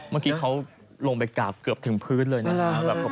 เมื่อกี้เขาลงไปกราบเกือบถึงพื้นเลยนะครับ